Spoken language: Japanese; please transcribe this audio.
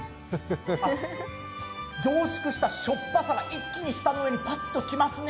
凝縮したしょっぱさが一気に舌の上にきますね。